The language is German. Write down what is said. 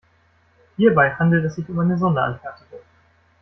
Hierbei handelt es sich um eine Sonderanfertigung.